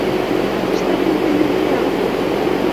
Ма тӹштӓкен тӹньӹн лиӓлт колтен?